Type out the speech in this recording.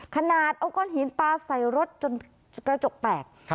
ขนาดเอาก้อนหินปลาใส่รถจนกระจกแตก